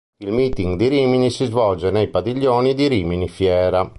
Il Meeting di Rimini si svolge nei padiglioni di Rimini Fiera.